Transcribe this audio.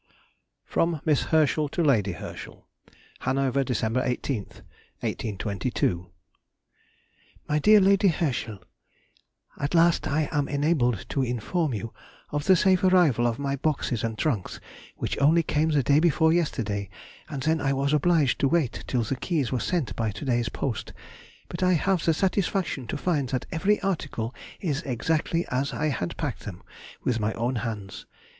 FROM MISS HERSCHEL TO LADY HERSCHEL. HANOVER, Dec. 18, 1822. MY DEAR LADY HERSCHEL,— At last I am enabled to inform you of the safe arrival of my boxes and trunks, which only came the day before yesterday, and then I was obliged to wait till the keys were sent by to day's post, but I have the satisfaction to find that every article is exactly as I had packed them with my own hands.